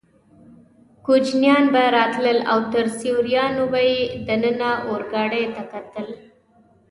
کوچنیان به راتلل او تر سوریانو به یې دننه اورګاډي ته کتل.